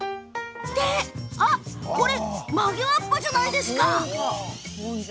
それ曲げわっぱじゃないですか！